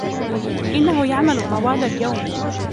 إنه يعمل طوال اليوم